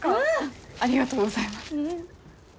ありがとうございます。